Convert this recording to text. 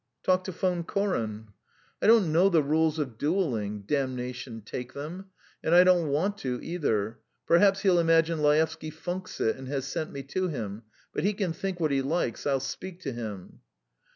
"Talk to Von Koren." "I don't know the rules of duelling, damnation take them, and I don't want to either; perhaps he'll imagine Laevsky funks it and has sent me to him, but he can think what he likes I'll speak to him."